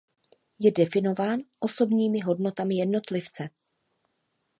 Je definován osobními hodnotami jednotlivce.